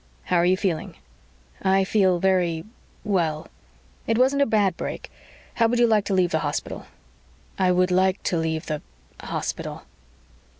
"How are you feeling?" "I feel very well." "It wasn't a bad break. How would you like to leave the hospital?" "I would like to leave the hospital."